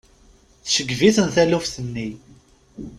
Tceggeb-itent taluft-nni.